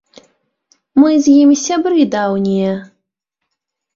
Мы з ім сябры даўнія.